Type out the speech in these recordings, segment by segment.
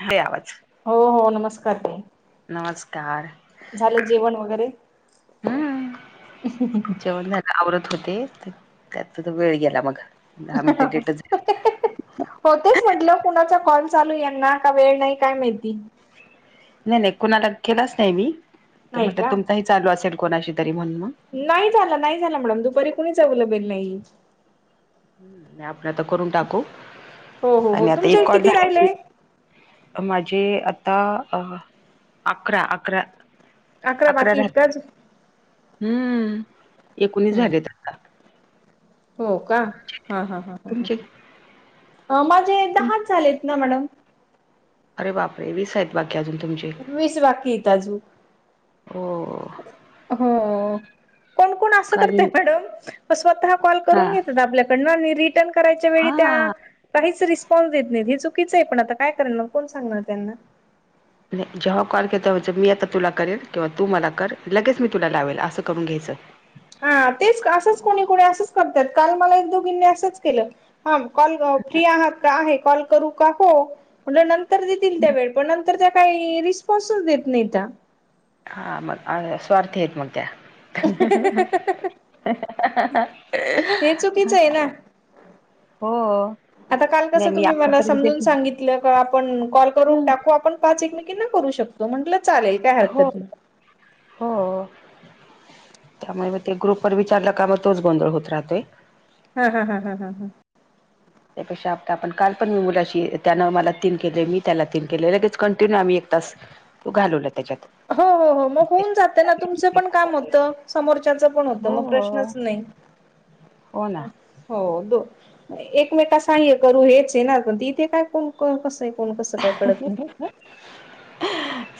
हाय आवाज. हो, हो नमस्कार ताई. नमस्कार झालं जेवण वगैरे? हम्म जेवण झाला आवरत होते त्यात वेळ गेला बघा. अ हा हा. हो तेच म्हटलं कुणाचा कॉल चालू यांना का वेळ नाही काय मिळती. नाही, नाही कुणाला केलाच नाही मी तर नाही म्हटलं का तुमचाही चालू असेल कोणाशी तरी म्हणून मग. नाही झाला, नाही झाला मॅडम दुपारी कुणी जावलंबेल नाही. आपण आता करून टाकू हो हो हो आणि आता तुमचे एक किती झाला राहिले की माझे आता अकरा, अकरा अकरा बाकी झाले. इतकाच हम्म, एकोणीस झालेत. आता होका ह, ह, तुमचे ह, माझे दहा झालेतन मॅडम? अरे बापरे वीस आहेत बाकी अजून तुमचे. वीस बाकी त अजून. हो.. हो कोण, कोण अस काल करते मॅडम म स्वतः कॉल हा करून घेतात आपल्याकडन आणि रिटर्न करायच्या वेळी त्या हा काहीच रिस्पॉन्स देत नाहीत हे चुकीचं आहे पण आता काय करणार कोण सांगणार त्यांना. जेव्हा कॉल घेता म्हणजे मी आता तुला करेल किंवा तू मला कर लगेच मी तुला लावेल असं करून घ्यायचं. हा तेच असंच कोणी, कोणी असंच करतात कारण मला एक, दोघींनी असच केल. हां कॉल फ्री आहात का आहे कॉल करू का हो म्हटलं नंतर देतील हम्म. त्यावेळ पण नंतर त्या काही रिस्पॉन्सच देत नाही त्या. हा मग स्वार्थी आहेत मग त्या. हे चुकीचं आहे [unintelligible] ना हो.. आता काल नाही कसं मी तुम्ही मला आतापर्यंत समजून सांगितलं आपण कॉल करून हम्म. टाकू आपण पाच एकमेकींना करू शकतो म्हटलं चालेल काय हो हरकत नाही. हो. त्यामुळे म ते ग्रुपवर विचारलका म तोच गोंधळ होत राहतोय. हा हा हा हा हम्म. त्यापेक्षा आपले आपण काल पण मी मुलाशी त्यान मला तीन केलेय मी त्याला तीन केलेय लगेच कंटिन्यू आम्ही एक तास ह [unintelligible] घालवला त्याच्यात. हो, हो, हो मग होऊन जाते ना तुमचं पण काम होतं समोरच्याच पण होतं मग प्रश्नच नाही. [inaudible] होना. हो दो एकमेका साह्य करू हेच येणार पण त इथे काय कोण कसं आहे. कोण कसं काय कळत नाही.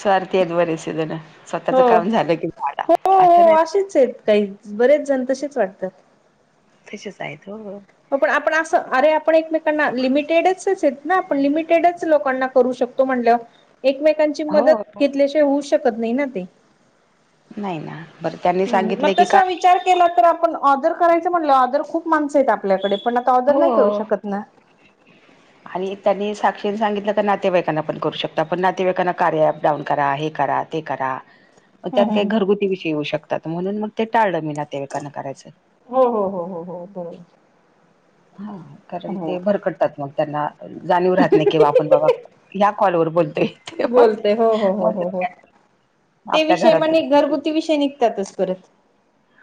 स्वार्थी आहेत बरेचसे जण. स्वतःच काम झालं की झाल अस नाही स काही. बरेच जण तसेच वाटतात. तसेच आहेत हो, हो. आपण असं अरे आपण एकमेकांना लिमिटेडच आहेत ना आपण लिमिटेडच लोकांना करू शकतो. तो म्हटल्यावर एकमेकांची हो हो मदत घेतल्याशिय होऊ शकत नाहीनते. नाही ना बरं त्यांनी हम्म मग सांगितले की तसा काय विचार केला तर आपण ऑदर करायचं म्हणलं ऑदर खूप माणस आहेत आपल्याकडे पण ऑर्डर नाही करू हो.. शकत ना. [unintelligible] हली त्यांनी साक्षीने सांगितलं क नातेवाईकांना पण करू शकता पण नातेवाईकांना कार्य अपडाऊन करा हे करा करा ह मग त्यात काही घरगुती विषयी येऊ शकतात म्हणून मग ते टाळलं मी नातेवाइकांना करायचं. हो हो हो हो हो बरो. हा कारण ते भरकडतात मग त्यांना जाणीव राहत नाही किंवा आपण बाबा. या कॉल वर बोलतोय ते मग बोलते हो हो हो मग हो हो ते आपल्या विषय घरातच म्हणे घरगुती विषय निघतातच परत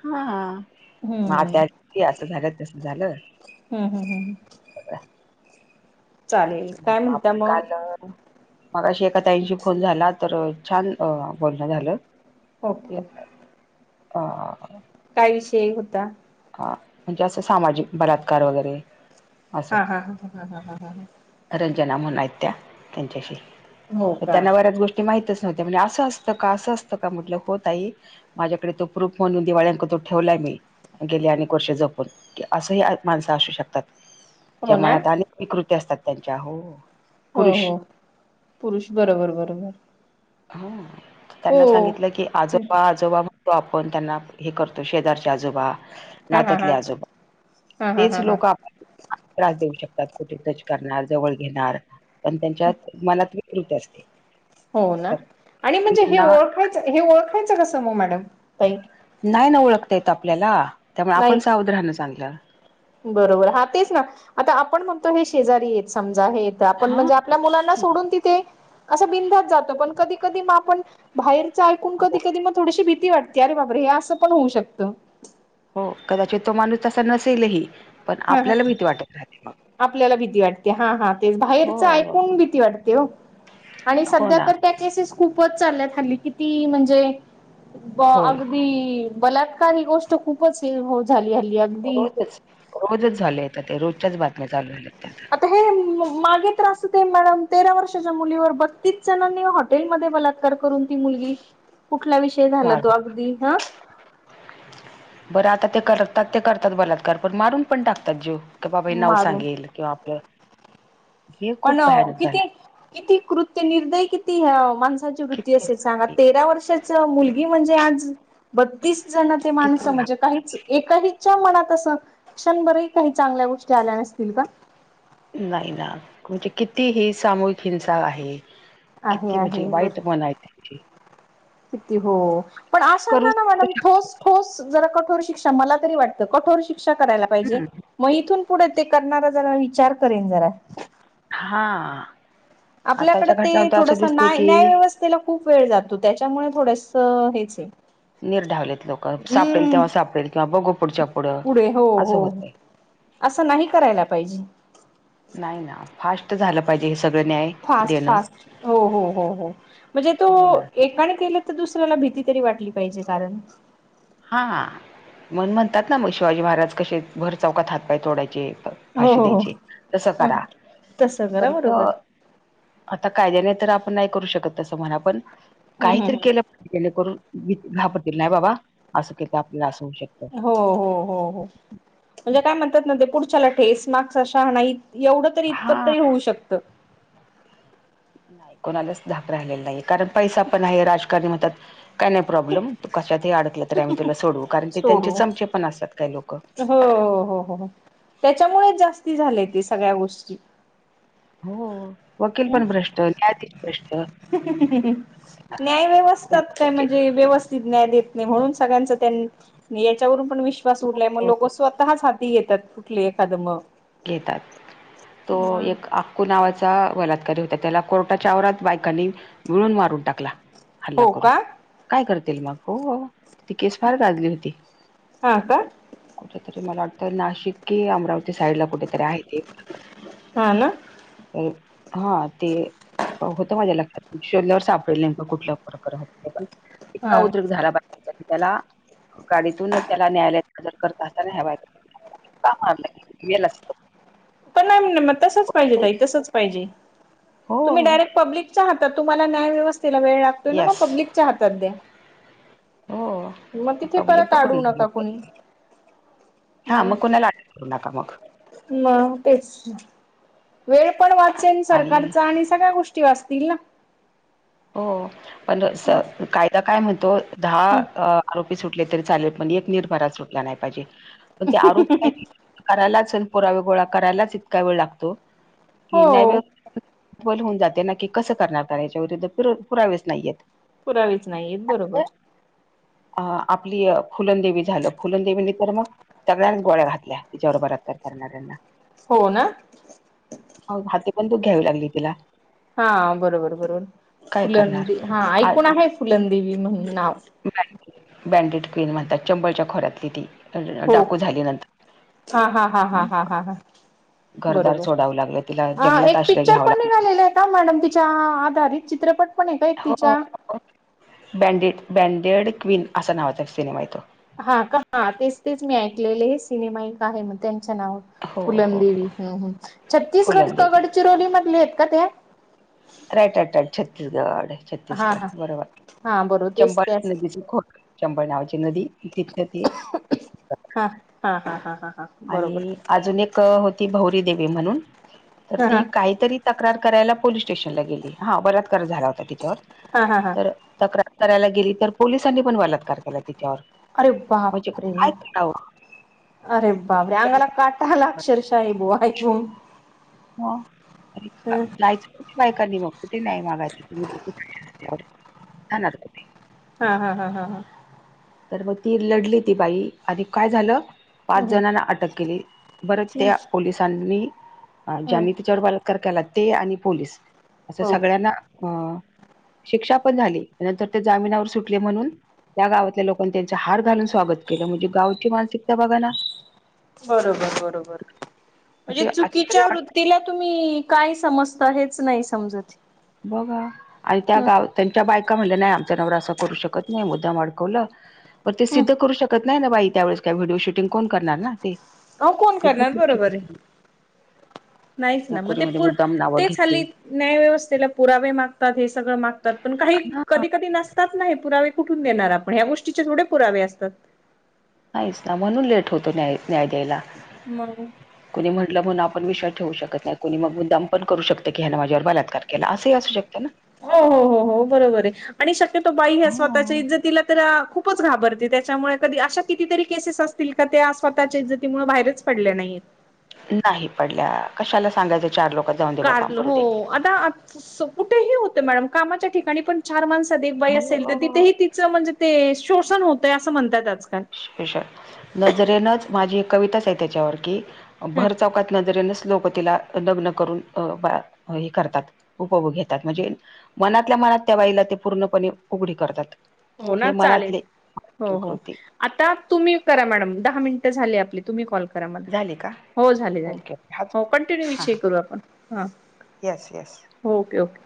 हा मग हम्म त्या असं झालं कस झालं. हम् हम हम चालेल काय म्हणता मग अकाल मगाशी एका ताईंशी फोन झाला तर छान बोलणं झालं. ओके ह काय विषय होता. हा म्हणजे असं सामाजिक बलात्कार वगैरे असं हा हा हा ह ह हा हा ह ह रंजना म्हून आहेत त्या त्यांच्याशी हो का त्यांना बऱ्याच गोष्टी ते माहितच नव्हते म्हणजे असं असतं का असं असतं का म्हटलं हो तई. माझ्याकडे तो प्रुफ म्हणून दिवाळी अंकतो ठेवलाय मी गेली अनेक वर्षे जपून की असंही माणसं असू शकतात. जे हो ना मनात आले विकृती असतात त्यांच्या हो हो पुरुष हो पुरुष बरोबर बरोबर. हा त्यांना हो सांगितलं की आजोबा आजोबा म्हणतो आपण त्यांना हे करतो शेजारच्या आजोबा हा हा हा नाततले आजोबा हा हा तेच हा हा लोक आप त्रास देऊ शकतात कुठे टच करणार जवळ घेणार पण त्यांच्या मनात प्रीट असते. हो ना तर आणि म्हणजे हे मुलींना ओळखायचं हे ओळखायचं कसं मग मॅडम काही नाही ना ओळखता येत आपल्याला त्यामुळे नाही आपण सा उद राहणं चांगलं. बरोबर हा तेच ना आता आपण म्हणतो हे शेजारी आहेत समजा आहेत. आपण हा म्हणजे आपल्या मुलांना सोडून तिथे असं बिंधात जातो पण कधी कधी मग आपण बाहेरच ऐकून कधी हो कधी मग थोडीशी भीती वाटते अरे बाबरे हे असं पण होऊ शकतं. हो कदाचित तो माणूस असा नसेलही पण ह आपल्याला भीती वाटत राहते. मग आपल्याला भीती वाटते हा हा तेच बाहेरच हो ऐकून भीती वाटते हो आणि हो सध्या ना तर त्या केसेस खूपच चालल्यात हल्ली किती म्हणजे हो अदी बलात्कार ही गोष्ट खूपच हो झाली हल्ली अगदी रोजच रोजच झाले ते रोजच्याच बातम्या चालू झाल्यात त्याच्या मागे त्रास होते मॅडम तेरा वर्षाच्या मुलीवर बत्तीस जणांनीत. हॉटेल म बलात्कार करून ती मुलगी कुठला विषयी झाला त्या तो अगदी हा बरं आता ते करतात ते करतात बलात्कार पण मारून पण टाकतात जीव बाबा हे नाव मारून सांगेल किंवा आपलं हे पण खूप भयानक झालं किती किती कृत्य निर्दय किती ह्या माणसाची वृत्ती किती असेल सांगा तेरा वर्षाच मुलगी म्हणजे आज बत्तीस जण ते माणस किती म्हणजे काहीच एकाहीच्या मनात असं क्षणभरही काही चांगल्या गोष्टी आल्या नसतील का? नाही ना म्हणजे किती ही सामूहिक हिंसा आहे. आहे किती म्हणजे आहे बर वाईट मन आहे. हो पण करू अशांना ना मॅडम ठोस. ठोस जरा कठोर शिक्षा मला तरी वाटतं कठोर शिक्षा करायला पाहिजे. मग इथून पुढे ते करणारा जरा विचार करेन जरा. हां. आपल्याकडे ते थोडस न्या की न्यायव्यवस्थेला खूप वेळ जातो त्याच्यामुळे थोडस हेच आहे. निर ढावलेत लोक सापडेल हम्म तेव्हा सापेल किंवा बघू पुडच्या पुडं पुढे हो असं हो होत आहे. असं नाही करायला पाहिजे. नाही ना फास्ट झालं पाहिजे हे सगळं न्याय. फास्ट देणं फास्ट हो हो हो हो म्हणजे तो हो ना एकाने के दुसऱ्याला भीती तरी वाटली पाहिजे कारण हा मण म्हणतात ना मग शिवाजी महाराज कसे भर चौकात हातपाय थोड्याचे. हो भाष हो हो द्यायचे तसं ह करा तसं करा पणंत बरोबर आता कायद्याने तर आपण नाही करू शकत तसं म्हणा पण हम्म हम्म काहीतरी केलं जणेकरून घापरतील नाही बाबा असं के तर आपल्याला असं होऊ शकत. हम्म हो हो हो हो म्हणजे काय म्हणतात ना ते पुढच्याला ठेस मागचा शहाणा एवढं तरी इतपत हा तरी होऊ शकतं. नाही कोणालाच धाक राहिलेला नाही कारण पैसा पण आहे राजकारणी मतात काही नाही प्रॉब्लेम तू कशातही अडकला त आम्ही तुला सोडवू कारण ते त्यांचे सोडू चमचे पण असतात काही लोक हो हो हो त्याच्यामुळेच जास्ती झाले ते सगळ्या गोष्टी. हो वकील पण भ्रष्ट, न्यायाधीश भ्रष्ट. हम हम हम हा. न्याय व्यवस्थात काय म्हणजे व्यवस्थित न्याय देत नाही म्हणून सगळ्यांच त्यां याच्यावरून पण विश्वास उठलाय मग लोक स्वतःच हाती घेतात कुठले एखादं मग घेतात तो एक आ कू नावाचा बलात्कारी होता त्याला कोर्टाच्या आववरात बायकांनी मिळून मारून टाकला. हल्ला हो करून का काय करतील मग हो हो ती केस फार गाजली होती. हां का. कुठेतरी मला वाटतं नाशिक कीम साईड ला कुठेतरी आहे ते. हा ना हा ते होत माझ्या लक्षात शोल्लर सापडेल नेमका कुठला फरकत पण इतका हा उद्रकधारा त्याला गाडीतून त्याला न्यायालयात हजर करता असताना हवाय का मार गेल असत. पण नाहीग तसच पाहिजे ता तसच पाहिजे हो तुम्ही डायरेक्ट पब्लिक च्या हातात तुमला न्या व्यवथेला वेळ लागतोय मग येस पब्लिकच्या हातात द्या. हो मग तिथे पब्लिक परत अडू बघून नका गेलं. कुणी अ को नाका मग. म तेच वेळ पण वाचेन सरकारचा आणि सगळ्या गोष्टी वा असतील ना. हो पण मग कायदा काय म्हणतो दहा आरोपी सुटले तरी चालेल पण एक निर्भरा सुटला नाही पाहिजे. पण ते आरोप का करायलाच पुरावे गोळा करायलाच इतका वेळ लागतो. की हो न्याव्यवथ होऊन जाते ना कि कसं करणार कारण याच्या विरुद्ध पुरावेस नाहीयेत. पुरावेच नाहीयेत बरोबर. तर अ आपली फुलंददेवी झालं फुलदेवीनी तर मग सगळ्यांनी गोळ्या घातल्या तिच्याबरोबर अत करणाऱ्यांना हो ना. हाती पण तू घ्यावी लागली तिला. हा बरोबर बरोबर काय करणार फुलंदे हा आ ऐकून आहे फुलंदेवी म्हणून नाव. बँडेड क्विन म्हणतात चंबलच्या खोऱ्यातली ती. हो डाकू झाली नंतर. ह हा घरदार बरोबर सोडावं लागलं तिला अ जंगलात एक आश्रय पिक्चर घ्यावा पण लागला निघालेला आहे का मॅडम तिच्या आधारित चित्रपट पण आहे का एक हो तिच्या बँडेड बँडेड क्वीन असा नावाचा एक सिनेमा येतो हा का हा तेच तेच मी ऐकलेले हे सिनेमा एक आहे मग त्यांच्या नावा हो हो फुलमंदेवी हम हम् छत्तीसगड ग फुलंदेवी गडचिरोली मधले आहेत का ते राईट राईट राईट छत्तीसगड हा हा छत्तीसगड बरोबर हा बरोबर तेच चंपा त्याच नदीचे खोट शंभळ नावाची नदी तिथे ते हा हा हा हा हा हा बरोबर आणि अजून एक होती भौरी देवी म्हणून तर हा ती हा काहीतरी तक्रार करायला पोलीस स्टेशनला गेली हा बलातकार झाला होता त्यािच्यावर हा हा हा तर तक्रार करायला गेली तर पोलिसांनी पण बलात्कार केला तिच्यावर अरे म्हणजे बापरे काय करावं अरे बापरे अंगला काटा आला अक्षरशा ईबुवा ऐकून हो हं जायच कि बायकांनी मग कुठे नाही मागायचं तुम्ही लोक तशी असल्यावर जाणार कुठे हा हा हा हा हा तर मग ती लढली ती बाई आणि काय झालं पाच हम्म जणांना अटक केली परत त्या तेच पोलिसांनी हम्म ज्यांनी तिच्यावर बलात्कारा तर केला ते आणि पोलीस असं हो सगळ्यांना अ शिक्षा पण झाली त्या नंतर ते जामिनावर सुटले म्हणून त्या गावातल्या लोक पण त्यांचं हार घालून स्वागत केलं म्हणजे गावची मानसिकता बघा ना बरोबर बरोबर म्हणजे आश्चर्य चुकीच्या वाटत त्रृक्तीला तुम्ही काय समजत हेच नाय समजत बघा आणि त्या गावात त्यांच्या बायका म्हणल्या नाही आमच्या नवरा असं करू शकत नाही मुद्दाम अडकवलं पण ते हम्म सिद्ध करू शकत नाही ना बाई त्यावेेळेस काय व्हिडिओ शूटिंग कोण करणार ना ते अ कोण सिद्ध करणार करू शकत बरोबर आहे, नाही. नाहीच ना मग कोणी ते म्हणे पूर मुद्दाम नावं तेच घेतली हल्ली न्यायव्यवस्थेला पुरावे मागतात हे सगळं मागतात पण काही हा कधी कधी नसत ना-ही पुरावे कुठून देणार आपण ह्या गोष्टीचे थोडे पुरावे असतात. आहिस्ता ना म्हणून लेट होतो न्याय द्यायला मग! कुणी म्हटलं म्हण आपण विश्वास ठेऊ शकत नाही कुणी मग मुद्दाम पण करू शकत की ह्यान माझ्यावर बलात्कार केला असंही असू शकत ना हो हो हो हो बरोबर आहे. आणि शक्यतो बाई ह्या स्वतःच्या हो इज्जतीला तर खूपच घाबरते त्याच्यामुळे कधी अशा कितीतरी केसेस असत तील का ते स्वतःच्या इज्जतीमुळे बाहेरच पडल्या नाहीत नाही पडल्या कशाला सांगायच कारल हो आता सप कुठेही होत मॅडम कामाच्या ठिकाणी पण चार माणस दे बाई असेल तर हो तिथेही तिचं म्हणजे ते शोषण होतय असं म्हणतात आजकाल श नजरेनंच माझी एक कविताच आहे त्याच्यावर की हं, भर चौकात नजरेनंच लोक तिला लग्न करून बा हे करतात उपभोग घेतात म्हणजे मनातल्या मनात त्या बाईला ते पूर्णपणे उघडी करतात हो ना हे चालेल मनातले हो हो कृती आता तुम्ही करा मॅडम दहा मिनटं झाली आपली. तुम्ही कॉल करा मला झाली का हो झाले झाले ओके हाच हो कंटिन्यू हां विषय हां करू आपण हां. Yes yes. Okay okay